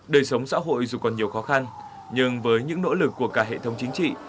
đời sống xã hội dù còn nhiều khó khăn nhưng với những nỗ lực của cả hệ thống chính trị